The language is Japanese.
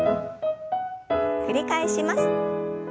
繰り返します。